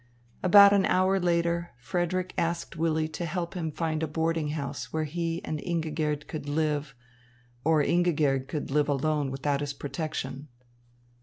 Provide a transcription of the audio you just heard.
About an hour later Frederick asked Willy to help him find a boarding house where he and Ingigerd could live, or Ingigerd could live alone without his protection.